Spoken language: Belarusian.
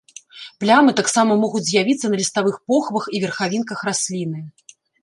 Плямы таксама могуць з'явіцца на ліставых похвах і верхавінках расліны.